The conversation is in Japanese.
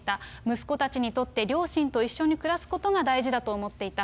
息子たちにとって、両親と一緒に暮らすことが大事だと思っていた。